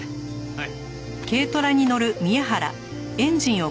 はい。